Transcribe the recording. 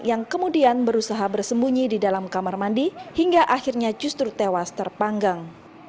yang kemudian berusaha bersembunyi di dalam kamar mandi hingga akhirnya justru tewas terpanggang